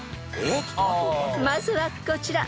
［まずはこちら］